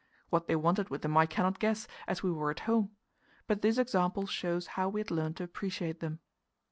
What they wanted with them I cannot guess, as we were at home; but this example shows how we had learnt to appreciate them.